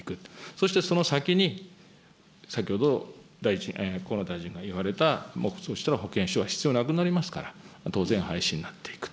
そしてその先に、先ほど河野大臣が言われた保険証は必要なくなりますから、当然廃止になっていく。